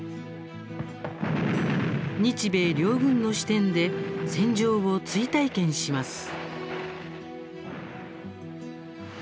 日米両軍の視点で戦場を追体験します。